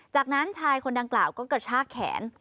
จากนั้นชายคนดังกล่าวก็กระชากแขน